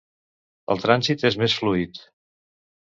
El trànsit és més fluid.